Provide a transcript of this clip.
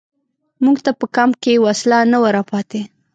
موږ ته په کمپ کې وسله نه وه را پاتې.